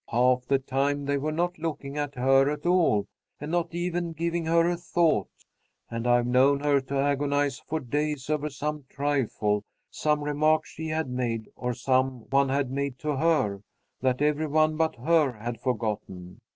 Half the time they were not looking at her at all, and not even giving her a thought. And I've known her to agonize for days over some trifle, some remark she had made or some one had made to her, that every one but her had forgotten.